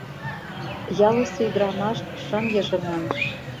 Ялысе ӱдырамаш шым йыжыҥан.